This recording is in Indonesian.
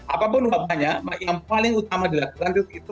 apapun faktanya yang paling utama dilakukan itu